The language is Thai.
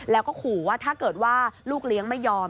แล้วก็ขอว่าถ้าเลี้ยงไม่ยอม